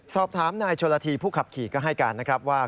สอบถามนายชนละทีผู้ขับขี่ก็ให้การนะครับว่า